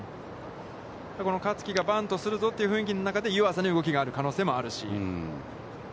香月がバントするぞという雰囲気の中で、湯浅に動きがある可能性もあるし。